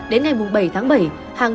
đến ngày mùng bảy tháng bảy